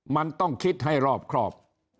มันต้องคิดให้รอบครอบ